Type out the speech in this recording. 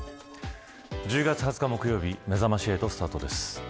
１０月２０日木曜日めざまし８スタートです。